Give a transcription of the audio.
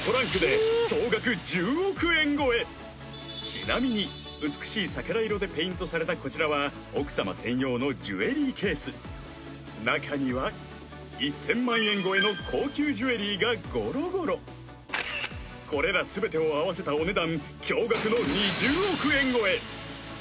ちなみに美しい桜色でペイントされたこちらは奥様専用のジュエリーケース中には１０００万円超えの高級ジュエリーがゴロゴロこれら全てを合わせたお値段驚がくの２０億円超え